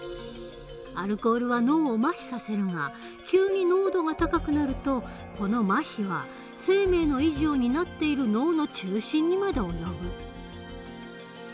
アルコールは脳をまひさせるが急に濃度が高くなるとこのまひは生命の維持を担っている脳の中心にまで及ぶ。